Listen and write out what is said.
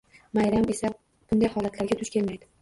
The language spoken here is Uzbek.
Maryam esa bunday holatlarga duch kelmaydi